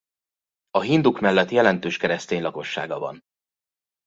A hinduk mellett jelentős keresztény lakossága van.